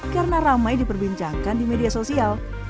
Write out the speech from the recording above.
karena ramai diperbincangkan di media sosial